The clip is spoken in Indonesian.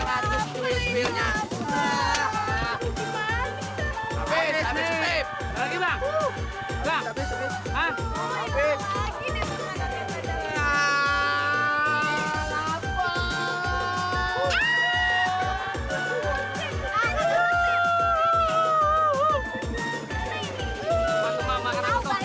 udah naik mobil lagi dong